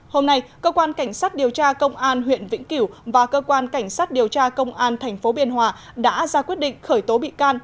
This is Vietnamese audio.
hôm nay cơ quan cảnh sát điều tra công an huyện vĩnh cửu và cơ quan cảnh sát điều tra công an tp biên hòa đã ra quyết định khởi tố bị can